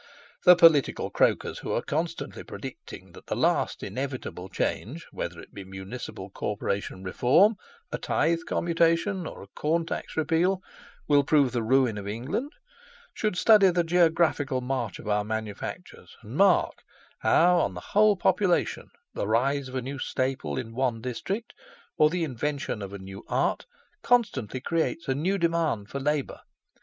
The political croakers who are constantly predicting that the last inevitable change, whether it be a Municipal Corporation Reform, a Tithe Commutation, or a Corn Tax Repeal, will prove the ruin of England, should study the geographical march of our manufactures, and mark how, on the whole population, the rise of a new staple in one district, or the invention of a new art, constantly creates a new demand for labour.